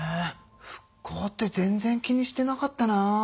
復興って全然気にしてなかったな。